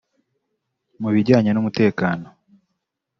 Mu bijyanye n’umutekano